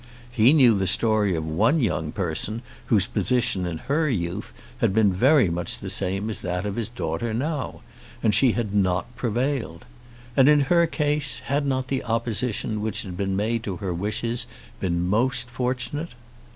He knew the story of one young person, whose position in her youth had been very much the same as that of his daughter now, and she had not prevailed. And in her case had not the opposition which had been made to her wishes been most fortunate?